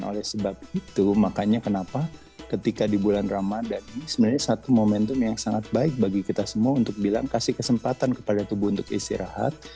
dan oleh sebab itu makanya kenapa ketika di bulan ramadhan ini sebenarnya satu momentum yang sangat baik bagi kita semua untuk bilang kasih kesempatan kepada tubuh untuk istirahat